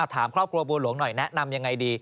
ถามครอบครัวบัวหลวงหน่อยแนะนำยังไงดี